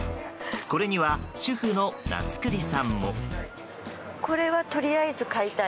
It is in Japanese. これには、主婦の夏栗さんも。